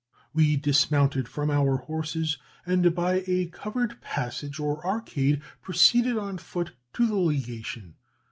"We dismounted from our horses, and by a covered passage or arcade proceeded on foot to the legation.